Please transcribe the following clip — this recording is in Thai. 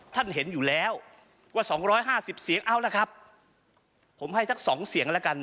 ท่านเห็นอยู่แล้วว่า๒๕๐เสียงเอาละครับผมให้สัก๒เสียงแล้วกัน